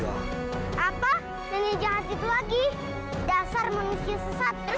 apa nini jangan begitu lagi